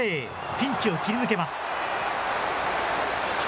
ピンチを切り抜けます。